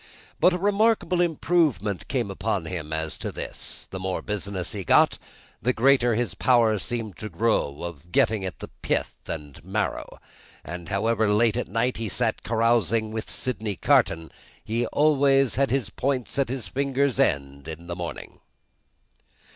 But, a remarkable improvement came upon him as to this. The more business he got, the greater his power seemed to grow of getting at its pith and marrow; and however late at night he sat carousing with Sydney Carton, he always had his points at his fingers' ends in the morning.